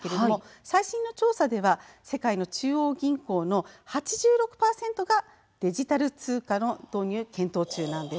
最新の調査では世界の中央銀行の８６％がデジタル通貨の導入を検討中です。